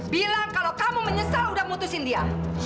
bilang kalau kamu menyesal udah putusin dia